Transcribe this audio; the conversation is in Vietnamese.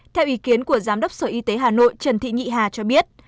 theo ý kiến của giám đốc sở y tế hà nội trần thị nhị hà cho biết